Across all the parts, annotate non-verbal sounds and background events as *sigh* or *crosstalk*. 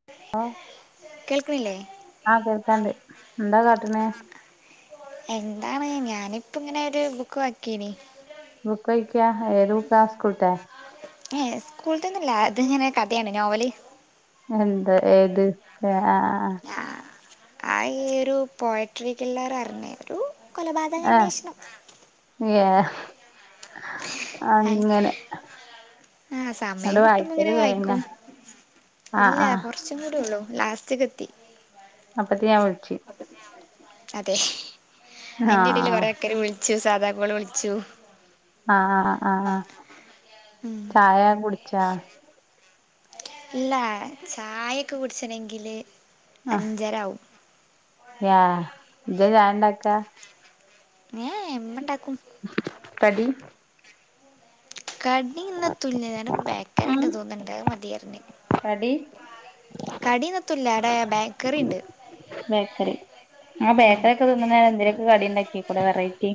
*unintelligible* ആഹ് കേൾക്കണ്ല്ലെ. ആഹ് കേൾക്കാണ്ട് എന്താ കാട്ടണെ എന്താണ് ഞാനിപ്പ ഇങ്ങനെ ഒരു ബുക്ക് വായിക്കാണ് ബുക്ക്‌ വായിക്ക ഏതു ബുക്കാ സ്കൂൾത്തെ ഏഹ സ്കൂൾത്തൊന്നുംല്ല ഇത്ങ്ങനെ കഥയാണ് നോവല് വേറെന്ത് ഏത് ആ ആ ആ അയ്യൊരു പോയട്രി കില്ലർ അറിഞ്ഞ ഒരു കൊലപാതകം ആഹ് അന്വേഷണം ഏഹ് അങ്ങനെ ആഹ സമയം ന്നട്ട് കിട്ടുമ്പോ വായിക്കല് ഇങ്ങനെ കഴിഞ്ഞാ വായിക്കും ആഹ് ഇല്ല ആഹ് കുറച്ച് കുറച്ചും കൂടി ഉള്ളൂ ലാസ്റ്റ്കെത്തി അപ്പത്തി ഞൻ വിളിച്ചു അതെ ന്റെ ഇടൽ ആഹ് കൊറെേ ഒക്ക വിളിച്ചു സാധാഗോള വിളിച്ചു ആഹ ആ ആഹ് ഉം. ചായ കുടിച്ചാ ഇല്ല ചായയൊക്കെ കുടിച്ചണെങ്കിൽ അഞ്ചര ആവും ആഹ് ഇജ്ജാ ചായണ്ടാക്ക ഏഹ് ഇമ്മണ്ടാക്കും കടി കടി ഇന്നതുല്യ ഞാൻ ബേകറി ഉണ്ട് ഉം തോന്ന്ണ്ട് അത് മതിയറിഞ്ഞ് കടി കടിന്നൊത്തുല്യ വടെ ബേക്കറിണ്ട്. ബേക്കറിക്കെ തിന്നണ നേരം എന്തലൊക്കെ കടി ഉണ്ടാക്കിക്കൂടെ വെറൈറ്റി.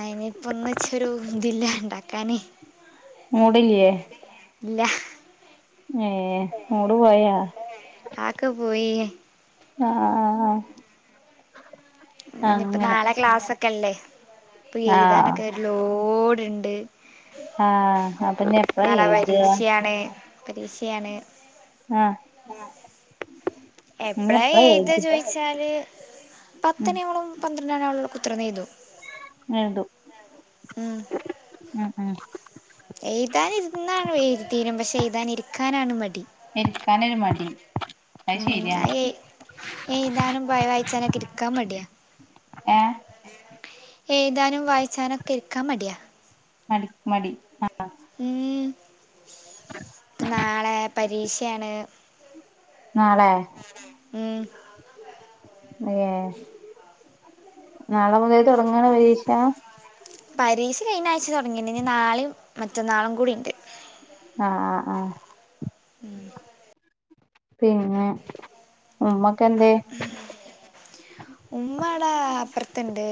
അനിയിപ്പൊ ഒന്നിചൊരു ഇതില്ല ഇണ്ടാക്കാന് മൂട്ല്ല്യേ. ഇല്ല. ഏഹ്, മൂട് പോയാ? ആക്കെ പോയി ആഹ്, ആഹ്, ആഹ്, ആഹ്. ഏ ഇനിയിപ്പോ നാളെ ക്ലാസൊക്കെല്ലേ. പ്പൊ ആഹ് എയ്താനൊക്കെ ഒര് ലോട്ണ്ട്. ആഹ് ഉം, അപ്പൊ ഇനി എപ്പഴാ നാളെ എഴുതാ പരീഷ്യാണ്. പരീഷ്യാണ്. അ... എപ്പളാ എയ്താ ചോയിച്ചാല്, ഉം പത്തണ്യാവുമ്പളും പന്ത്ര ഞ അവള് അവിടെ കുത്തർന്ന് എഴുതും എ *unintelligible* തു. ഉം ഉം, ഉം എയ്താനിര്ന്നാണ് വേ എയ്തിത്തീരും. പഷെ എയ്താൻ ഇരിക്കാനാണ് മടി. ഇര്ക്കാനൊര് മടി. അത് ഉം ശരിയാണ് അയ് എയ്താനും ബ വായിച്ചാനൊക്കെ ഇരിക്കാമട്യാ. ഏഹ്. എയ്താനും വായിച്ചാനൊക്കെ ഇരിക്കാമട്യാ. മടി, മടി, ആഹ്. ഊം, ക്ക് നാളെ പരീഷേണ്. നാളെ... ഉം. ഏ,.... നാളെ മുതൽ തൊടങ്ങാണോ പരീഷാ. പരീഷ കയ്ഞ്ഞാഴ്ച തൊട്ങ്ങീണ്. ഞ്ഞി നാളിം മറ്റന്നാളും കൂടിണ്ട്. ആഹ്, ആഹ്, ആഹ് ഉം. പിന്നെ, ഉമ്മൊക്കെന്തേ? ഉമ്മടാ അപ്പർത്ത്ണ്ട്.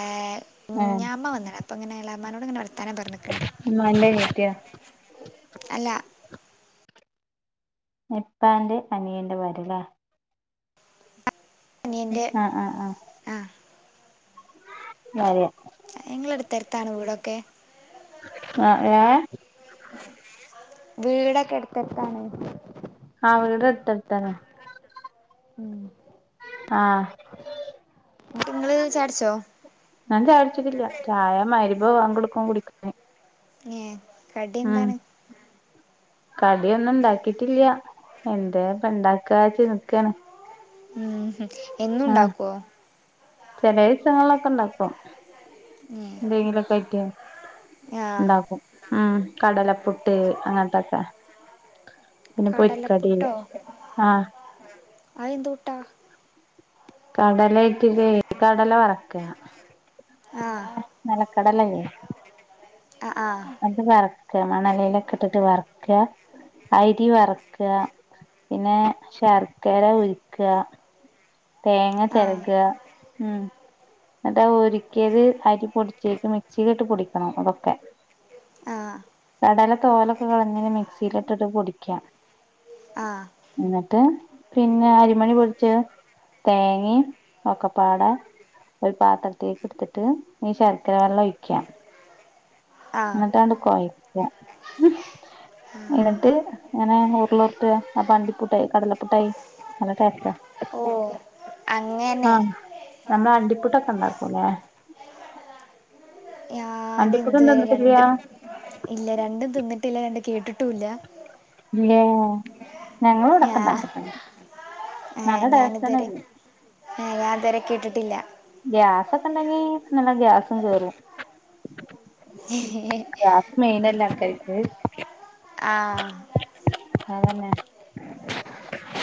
ഏഹ് ഏഹ് ഞ്ഞാമ വന്ന്ണ്. അപ്പൊങ്ങനെ എളാമാനോട്ങ്ങനെ വർത്താനം പർഞ്ഞോണ്ട്ക്ക്ണ്ട്. ഉമ്മാന്റെ അനിയത്തിയോ അല്ല. ഇപ്പാന്റെ അനിയന്റെ ഭാര്യലേ. അനിയൻ്റെ ആഹ്, ആഹ്, ആഹ് ആ ഭാര്യ. ഇങ്ങള് എട്ത്തെട്ത്താണൊ വീടൊക്കെ? ആഹ് ഏഹ് വീടൊക്കെ എട്ത്തെട്ത്താണ്. ആഹ്, വീടട്ത്തട്ത്താണ്. ആഹ്. ങ്ങട്ട്ങ്ങള് ചായട്ച്ചോ? ഞാൻ ചായൊട്ച്ചിട്ടില്ല്യ. ചായ മഅ് രിബ് ബാങ്കൊട്ക്കും കുടിക്കാന്. ഏഹ്. ആഹ്. കടിയൊന്നുണ്ടാക്കിട്ടില്ല്യ. എന്തേപ്പണ്ടാക്കാ ച്ച് നിക്കാണ്. ഉം ഹും, എന്നുണ്ടാക്കോ? ചില ദിവസങ്ങളിലൊക്കെ ഉണ്ടാക്കും ഉം എന്തെങ്കിലും ഒക്കെ ആയിട്ട് ഉണ്ടാക്കും ഉം കടലപ്പുട്ട് അങ്ങനത്തൊക്കെ പിന്നെ പൊരിക്കടി കടലപ്പുട്ടോ ആഹ് അത് എന്ത് പുട്ടാ കടല ഇട്ടിട്ട് കടല വറക്ക ആ നെലക്കടലെനീ ആഹ് ആഹ അത് വറക്ക, മണലിലൊക്കെ ഇട്ടിട്ട് വറക്ക. അരി വറക്ക, പിന്നെ ശർക്കര ഉരുക്ക. തേങ്ങ ആ ചെരക. ന്നിട്ട് ഉരുക്കിയത് അരി പൊടിച്ചിട്ട് മിക്സിയിലിട്ട് പൊടിക്കണം ഇതൊക്കെ. ആഹ്. തോലൊക്കെ കളഞ്ഞ് മിക്സിയിലിട്ടിട്ട് പൊടിക്ക. ആഹ്. ന്നിട്ട് പിന്നെ അരിമണി പൊടിച്ച്. തേങ്ങീം ഒക്കപ്പാടെ. ഒരു പാത്രത്തിക്ക് ഇടുത്തിട്ട് ഈ ശർക്കര വെള്ളം ഒഴിക്ക. ആ ന്നിട്ടാണ്ട് കൊയക്ക. എന്നിട്ട് ഇങ്ങനെ ഉരുളഉർട്ട. അപ്പ ണ്ടിപ്പുട്ടായി കടലപ്പുട്ടായി നല്ല ടേസ്റ്റ. ഓ അങ്ങനെ ആഹ് നമ്മളണ്ടിപ്പുട്ടൊക്കെ ണ്ടാക്കുലെ. ഞാന്. തൊന്നും തിന്ന്ട്ടില്ല. ഇല്ല രണ്ടും തിന്നിട്ടില്ല രണ്ടും കേട്ടിട്ടുല്ല. ഏഹ് ഞങ്ങളവടെക്കെ ഞാ ണ്ടാക്കു ട്ടൊ നല്ല ടേസ്റ്റാണത്. ഏഹ് ഞാതുവരെ കേട്ടിട്ടില്ല. ഗ്യാസൊക്കെണ്ടെങ്കി നല്ല ഗ്യാസും കേറും. *inaudible* ഏഹ് ആഹ്. അതന്നെ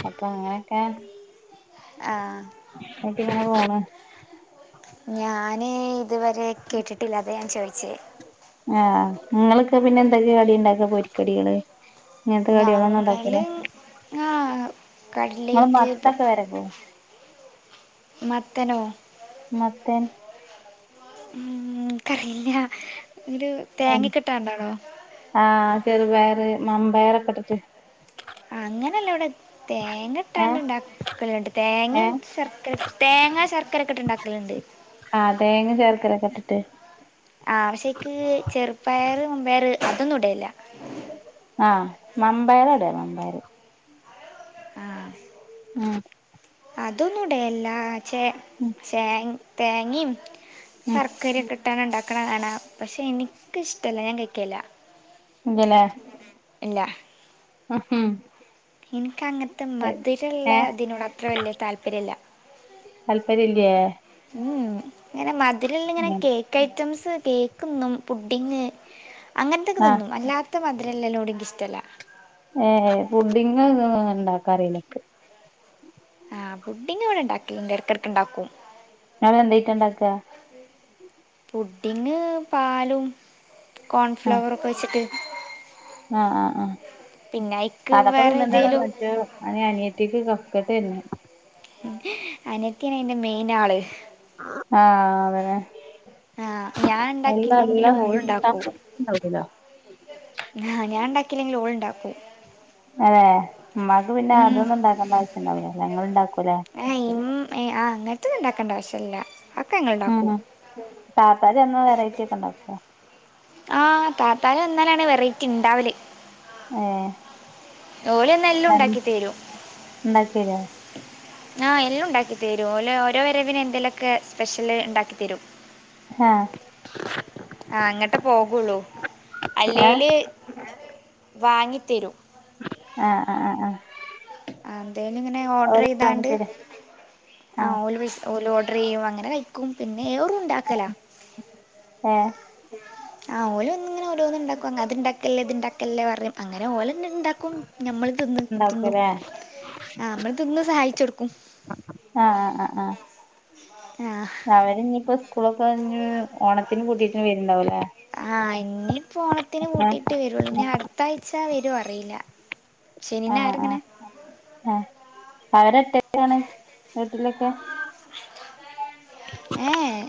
അപ്പൊ അങ്ങനെക്കെ. ആ ക്കെങ്ങനെ പോണു. ഞാന്. ഇതുവരെ കേട്ടിട്ടില്ല. അതെ ഞാൻ ചോയിച്ചേ. ആഹ് ങ്ങളൊക്കെ പിന്നെ എന്തൊക്കെ കടിണ്ടാക്കാ പൊരിക്കടികള്. ഇങ്ങനത്തെ കടിയളൊന്നു ണ്ടാക്കൂല. ഞങ്ങള് ആ ങ്ങള് കട്ലേറ്റ് ഇപ്പം മത്തൊക്കെ വെരഗോ. മത്തനോ? മത്തൻ. ഇൻക്കറിയില്ല ഒരു തേങ്ങ കിട്ടാണ്ടാണോ. ആഹ് ചെറു പയറ് മമ്പയറൊക്കെ ഇട്ടിട്ട്. അങ്ങനെയല്ല ഇവിടെ തേങ്ങ ഇട്ടാണ്ട് ഏഹ് ഇണ്ടാക്കും. ക്കലുണ്ട് തേങ്ങീം ഏഹ് ശർക്കര തേങ്ങ ശർക്കര ഒക്കെട്ടുണ്ടാക്കലുണ്ട്. ആ തേങ്ങ ശർക്കരകട്ടിട്ട്. ആഹ്. പക്ഷേ അയ്ക്ക് ചെറുപയറ് മമ്പയർ അതൊന്നും ഇടലില്ല. ആഹ് മമ്പയറാ ഇടാ മമ്പയറ്. ഉം അതൊന്നുടലില്ല ഉം ചേ തേങ്ങീം. ഉം ശർക്കരകിട്ടാണ്ട് ണ്ടാക്കണ കാണ പക്ഷെ എനിക്കിഷ്ടല്ല ഞാൻ കഴിക്കല. എന്തിന് ഇല്ല. ഉ ഇനിക്കങ്ങത്തെ മധുരള്ള ഏഹ് ഇതിനോട് അത്ര വല്യ താല്പര്യല്ല. താല്പര്യല്ലേ. ഉം ഉം ഇങ്ങനെ മധുരള്ള ഇങ്ങനെ കേക്ക്. ഐറ്റംസ് കേക്ക് തിന്നും പുഡിങ് അങ്ങനത്തക്കെ ആഹ് തിന്നും അല്ലാ. ത്ത മതിരല്ലീനോട് ഇകിഷ്ടല്ല. ഏഹ് പുഡിങ് ഇണ്ടാക്കറീല ഇക്ക്. ആഹ് പുഡിങ് ഇവിടെ ഇണ്ടാക്കല്ണ്ട് എടുക്കേടക്ക് ഉണ്ടാക്കും *inaudible* എന്തീട്ടുണ്ടാക്കുക പുഡിങ് പാലും കോൺഫ്ലവറും കൊഴച്ചിട്ട് ആഹ് ആഹ് ആഹ് അയക്ക് അതൊക്കെ വേറെ തിന്നിണ്ടാണ് ഏതേലും മറ്റേ അത് അനിയത്തിക്ക് കഫകേട്ട് ആരുന്ന് അനത്തിയാണ് അയിന്റെ മെയിൻ ആള് ആഹ് അതേല്ലേ ആ ഞാൻ അല്ല അല്ല ഉണ്ടാക്കിയില്ലെങ്കിലും *unintelligible* ആഹ് ഞാൻ ഉണ്ടാക്കില്ലെങ്കിലും ഓൾ ഉണ്ടാക്കൂ അതെ ഉമ്മാക്ക് പിന്നെ ഉം. അതൊന്നും ഉണ്ടാക്കേണ്ട ആവശ്യം ഉണ്ടാവില്ല അല്ലെ നിങ്ങൾ ഉണ്ടാക്കൂല്ലേ ആയും ഏഹ് ആഹ് അങ്ങനത്ത ഇണ്ടാക്കേണ്ട ആവശ്യല്ല ഉം ഉം താത്തരു വന്ന വെറൈറ്റി ഒക്കെ ഉണ്ടാക്കുവോ ആഹ് താത്താല് വന്നാലാണ് വെറൈറ്റി ഉണ്ടാവല് ഏഹ് ഓല് വന്നാ എല്ലാം ഉണ്ടാക്കി തെരും ഉണ്ടാക്കിരുവോ ആഹ് എല്ലാം ഉണ്ടാക്കി തരും ഓല് ഓരോ വരവിന് എന്തേലുമൊക്കെ സ്പെഷ്യല് ഉണ്ടാക്കിത്തരും ആഹ് ആഹ് അങ്ങട്ട് പോകുള്ളൂ ഏഹ് അല്ലേല് വാങ്ങി തെരും ആഹ്‌ ആഹ്‌ ആഹ്‌ ആഹ്‌ ആഹ് എന്തേലും ഇങ്ങനെ ഓർഡർ ചെയ്താണ്ട് തരും ആഹ് ഓല് പൈസ ഓല് ഓഡർ ചെയ്യും അങ്ങനെ കഴിക്കും പിന്നെ വേറേം ഉണ്ടാക്ക ആഹ്‌ ആഹ് ഓലും വന്ന് ഇങ്ങനെ ഓരോന്ന് ഇണ്ടാക്കും അത്ണ്ടാക്കല്ലേ ഇത്ണ്ടാക്കല്ലേ പറയും അങ്ങനെ ഓല് പിന്നെ ഉണ്ടാക്കും ഞമ്മൾ തിന്ന് തിന്നും ഉണ്ടാക്കൂലേ ആഹ് ആഹ് നമ്മള് തിന്ന് സഹായിച്ചു കൊടുക്കും അഹ് അഹ് അഹ് ആഹ് അവര് ഇനിപ്പോ സ്കൂളൊക്കെഞ്ഞ് ഓണത്തിന് പൂട്ടീട്ട് വരുണ്ടാവലേ ആഹ് ഇനിപ്പൊ ഓണത്തിന് പൂട്ടിയിട്ട് വരുള്ളു ഇനി അടുത്ത ആഴ്ച വരുവോ അറിയില്ല ശനി ആഹ് ഞായർ ഇങ്ങനെ ആഹ് ആ അവരട്ടക്കാണ് വീട്ടിലൊക്കെ. ഏഹ്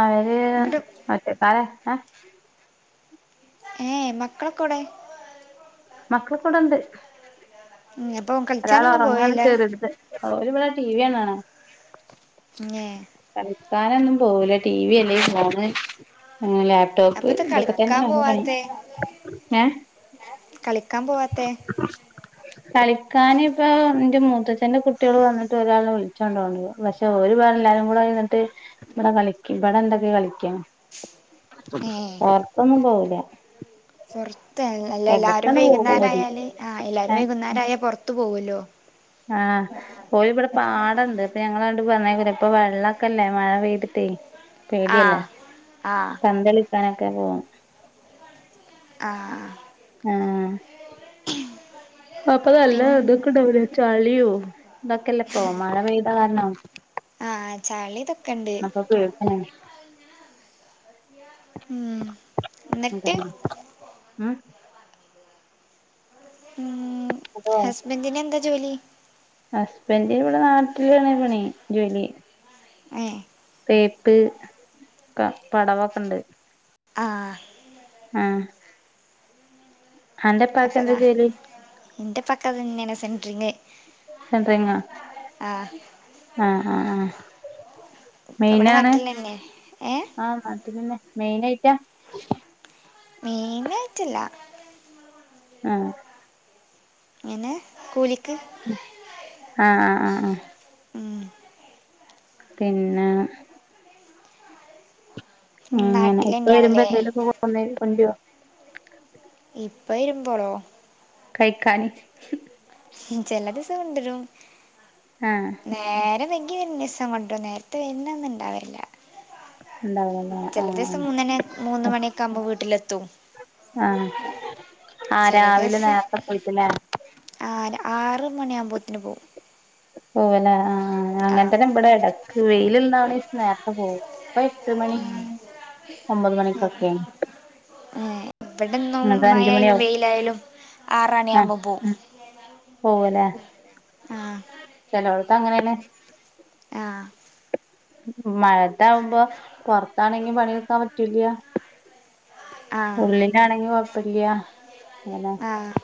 അവര് ഇങ്ങോട്ട് ഓറ്റെക്കാല ഏഹ് ഏഹ് മക്കളൊക്കെ എവ്ടെ മക്കകെടെണ്ട് ഉം എപ്പ ക ഒരാൾ ഉറങ്ങാണ് ചെറിത്ത് ഓര് ഇവിടെ ടി വി കാണാണ് ങ്ങേ കളിക്കാനൊന്നും പോവില്ല ടി വി അല്ലേ ഫോണ് ലാപ ടോപ്പ് അപ്പത്തെ ഇതൊക്കെ തന്നെ കളിക്കാൻ ആണ് പണി പോവാത്തെ ഹെ കളിക്കാൻ പോവാത്തെ കളി കാന ഇപ്പൊ എന്റെ മൂത്തച്ഛന്റെ കുട്ടികൾ വന്നിട്ട് ഒരാളെ വിളിച്ചുകോണ്ടോണ്ട പക്ഷെ ഒരുപാട്ല്ലാരും കൂടെ എന്നിട്ട് ഇവിടെ കളിക്ക് ഇവിടെ എന്തൊക്കെയൊ കളിക്കാണ് ഏ പേർത്തൊന്നും പോവൂല പുറത്ത് അല്ല എല്ലാരും എടക്കാണ്ട് പോകും വൈകുന്നേരം ഓര് ആയാല് ആഹ് എല്ലാരും ഏ വൈകുന്നേരം ആയാല് പുറത്തു പോകൂല്ലോ ആഹ്‌ പോയി ഇവിടെ പാടണ്ട് ഇപ്പൊ ഞങ്ങണ്ട് വന്നുകേറി ഇപ്പൊ വെള്ളമൊക്കല്ലേ മഴ പെയ്തിട്ടേ പേടിയല്ലേ ആഹ് ആഹ് കന്തളിക്കാനൊക്കെ പോകും ആഹ് ആഹ് അപ്പൊനല്ല പിൻ ഇതൊക്കെണ്ടവുലെ ചളിയോ ഇതൊക്കെയല്ല ഇപ്പൊ മഴ പെയ്താ കാരണം ആഹ്, ചളിതക് അപ്പം പേടിയാണ് ഉം ഉക്ക എന്നിട്ട് ഉം *unintelligible* ഉം. ഹസ്ബൻഡിന് എന്താ ജോലി? ഹസ്ബൻഡിന് ഇവടെ നാട്ടിലന്നേണ് പണി. ജോലി ഹെ തേപ്പ് പടവൊക്കെ ണ്ട് ആഹ് ആഹ് അന്റപ്പാക്ക്എന്താ ജോലി ഇൻ്റെ ഇപ്പക്ക്അതന്നെയാണ് സെൻ്ററിങ് സെന്ററിങ്ങ ആഹ് ആഹ് ആഹ് ഇപ്പ ഇവിടെ മെയിനാണ് നാട്ടിൽ തന്നെ ഏ ആഹ് മാറ്റന്നെ മെയിൻയിറ്റാ മെയിനായിട്ടില്ല ആഹ് ഇങ്ങനെ കൂലിക്ക് ആഹ് ആഹ് ആഹ് ആഹ് ഉം പിന്നെ ങ്ങനെ നാട്ടിൽ ഇപ്പ വരുമ്പോ തന്നെയാണല്ലേ എന്തേലുംക്ക കൊണ്ടരൊ ഇപ്പ വരുമ്പോളോ കൈക്കാന് ചെല ദിവസം കൊണ്ടരും ആഹ് നേരം വെകി വരണസം കൊണ്ട് രും. നേരത്തെ വര്ണ അന്ന് ണ്ടാവലില്ല ഉണ്ടാവല്ലേ ആഹ് മൂന്നണി മൂന്ന് മണിയൊക്കെ ആകുമ്പോൾ വീട്ടിലെത്തും ആഹ് ആ ആഹ് ചില രാവിലെ ദിവസം നേരത്തെ പോയിട്ട്ല്ലേ ആ ആറ് മണിയ ആകുമ്പോഴത്തിന് പോകും പോവല്ലേ. ആ ആഹ്. ആ അങ്ങൻ തന്നെ ഇബടെ എടക്ക് വെയില്ള്ളാണ് നേർത്തെ പോവും. ഇപ്പയ് എട്ട് മണി ഒമ്പത് മണിക്കൊക്കെ ഏ, വ്ടെന്നും എന്നിട്ട് അഞ്ച് മഴയാലും മണിയാവും വെയിലായാലും ആറണി ആവുമ്പം പോവും പോവൂലേ ആഹ് ചെലവടത്ത് അങ്ങനെ ആണ് ആഹ് മഴത്ത ആവുമ്പോ പൊറത്താണെങ്കി പണിയെടുക്കാൻ പറ്റുല്യ ആ ഉള്ളിലാണെങ്കി കൊഴപ്പല്ല്യ. ങ്ങനെ ആഹ്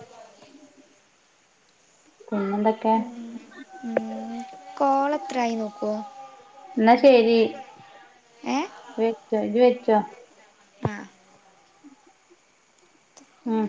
പിന്നന്ത ഉ ഉ കോള എത്രായി നോക്കൊ എന്നാ ശരി വെച്ചോ ഇജ വെച്ചോ ആഹ് ഉം